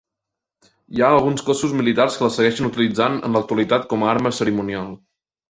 Hi ha alguns cossos militars que la segueixen utilitzant en l'actualitat com a arma cerimonial.